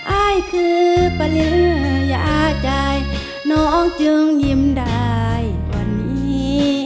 อายคือปริญญาใจน้องจึงยิ้มได้ตอนนี้